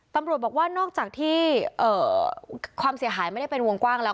ตำรวจบอกว่านอกจากที่ความเสียหายไม่ได้เป็นวงกว้างแล้ว